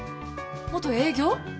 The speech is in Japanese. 元営業？